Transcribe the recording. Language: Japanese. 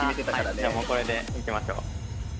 じゃあもうこれでいきましょう。